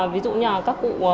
ví dụ như là các cụ